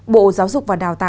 bộ giáo dục và đào tạo quy định